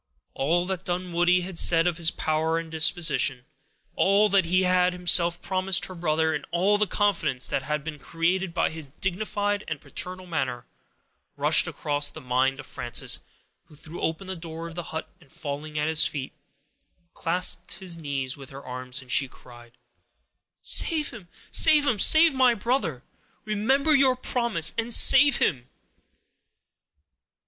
All that Dunwoodie had said of his power and disposition, all that he had himself promised her brother, and all the confidence that had been created by his dignified and paternal manner, rushed across the mind of Frances, who threw open the door of the hut, and falling at his feet, clasped his knees with her arms, as she cried,— "Save him—save him—save my brother; remember your promise, and save him!"